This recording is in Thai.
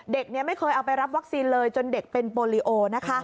เด็กไม่เคยเอาไปรับวัคซีนเลยจนเด็กเป็นโปรลิโอ